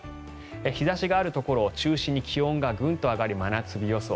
日差しがあるところを中心に気温が上がる真夏日予想。